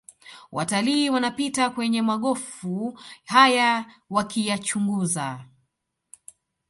Watalii wanapita kwenye magofu haya wakiyachunguza